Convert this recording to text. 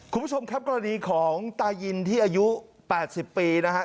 คุณผู้ชมครับกรณีของตายินที่อายุ๘๐ปีนะครับ